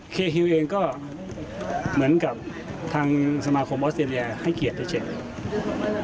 ฮิวเองก็เหมือนกับทางสมาคมออสเตรเลียให้เกียรติเฉย